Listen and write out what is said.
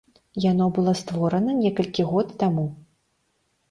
Яно было створана некалькі год таму.